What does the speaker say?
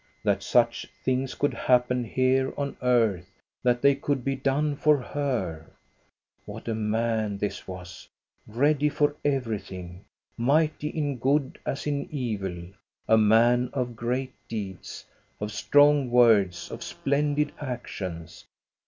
That such things could happen here on earth, that they could be done for her ! What a man this was, ready for everything, mighty in good as in evil, a man of great deeds, of strong words, of splendid actions